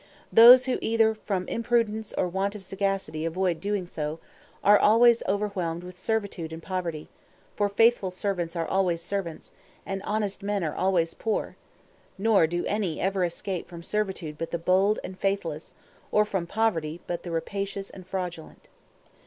Those who either from imprudence or want of sagacity avoid doing so, are always overwhelmed with servitude and poverty; for faithful servants are always servants, and honest men are always poor; nor do any ever escape from servitude but the bold and faithless, or from poverty, but the rapacious and fraudulent.